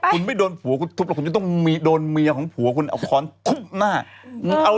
คุณไม่โดนผัวคุณทุบแล้วคุณจะต้องมีโดนเมียของผัวคุณเอาค้อนทุบหน้า